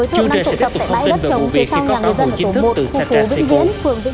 chưa ra sẽ tiếp tục thông tin về vụ viện